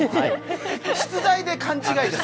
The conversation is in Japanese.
出題で勘違いって。